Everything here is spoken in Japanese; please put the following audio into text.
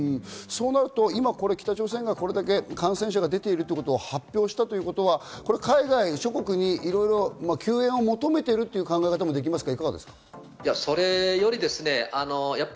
今、北朝鮮がこれまで感染者が出ていることを発表したということは海外諸国に救援を求めているという考え方もできますが。